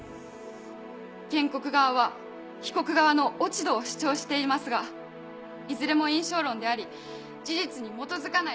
原告側は被告側の落ち度を主張していますがいずれも印象論であり事実に基づかない主張です。